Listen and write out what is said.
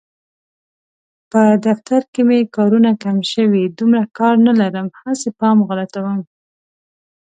په دفتر کې مې کارونه کم شوي، دومره کار نه لرم هسې پام غلطوم.